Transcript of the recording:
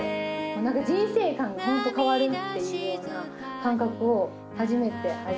何か人生観がホント変わるっていうような感覚を初めて味わった。